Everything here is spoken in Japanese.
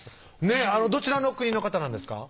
どちらの国の方なんですか？